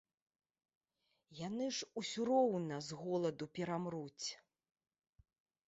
Яны ж усё роўна з голаду перамруць.